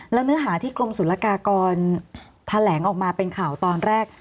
แล้วเนื้อหาที่กรมศุลกากรแถลงออกมาเป็นข่าวตอนแรก